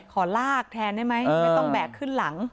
ขอลากแทนได้ไหมไม่ต้องแบกขึ้นหลัง